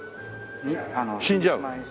死んじゃう。